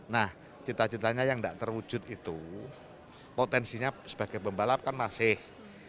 nah cita citanya yang tidak terwujud itu potensinya sebagai pembalap kan masih